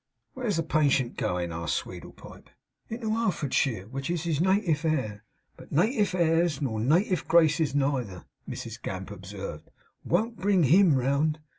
'Where's the patient goin?' asked Sweedlepipe. 'Into Har'fordshire, which is his native air. But native airs nor native graces neither,' Mrs Gamp observed, 'won't bring HIM round.